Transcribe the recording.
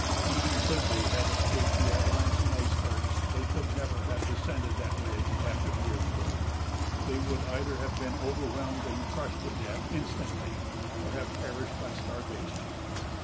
Even could they have escaped the avalanching icebergs they could never have descended that ridge after the earthquake. They would either have been overwhelmed and crushed to death instantly or have perished by starvation.